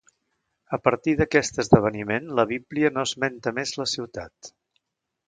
A partir d'aquest esdeveniment, la Bíblia no esmenta més la ciutat.